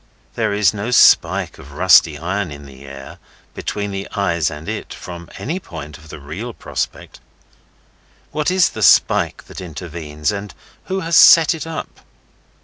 There is no spike of rusty iron in the air, between the eye and it, from any point of the real prospect. What is the spike that intervenes, and who has set it up?